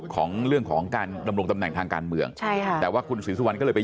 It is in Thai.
ของเรื่องของการดำรงตำแหน่งทางการเมืองใช่ค่ะแต่ว่าคุณศรีสุวรรณก็เลยไป